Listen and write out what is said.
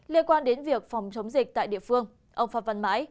liên quan đến việc phòng chống dịch tại địa phương ông phan văn mãi